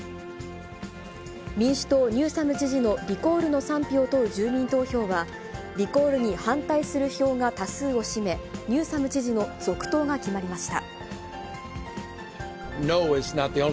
民主党、ニューサム知事のリコールの賛否を問う住民投票は、リコールに反対する票が多数を占め、ニューサム知事の続投が決まりました。